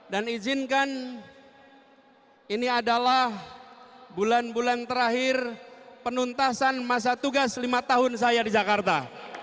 dan izinkan ini adalah bulan bulan terakhir penuntasan masa tugas lima tahun saya di jakarta